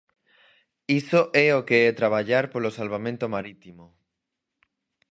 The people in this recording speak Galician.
Iso é o que é traballar polo salvamento marítimo.